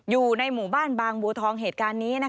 อยู่ในหมู่บ้านบางบัวทองเหตุการณ์นี้